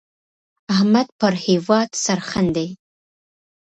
احمد پر هېواد سرښندي.